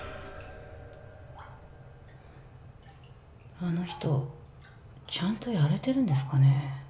あの人ちゃんとやれてるんですかね